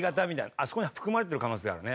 あそこに含まれてる可能性あるね。